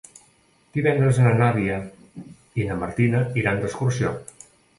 Divendres na Nàdia i na Martina iran d'excursió.